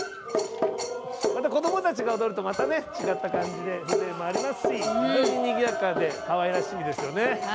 子どもたちが踊るとまた違った感じで風情がありますし非常ににぎやかでかわいらしいですよね。